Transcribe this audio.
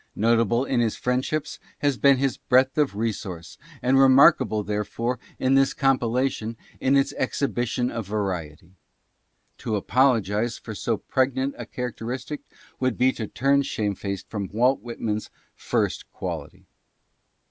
Notable in his friendships has been his breadth of resource, and remarkable, therefore, in this compilation, is its exhibition of variety. To apologize for so pregnant a character istic would be to turn shamefaced from Walt Whitman's first quality.